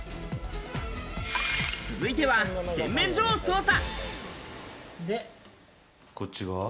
続いては洗面所を捜査。